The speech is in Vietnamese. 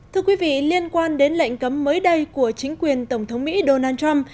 thưa quý vị liên quan đến lệnh cấm mới đây của chính quyền tổng thống mỹ donald trump